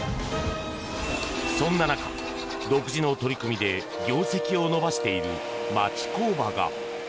そんな中、独自の取り組みで業績を伸ばしている町工場が。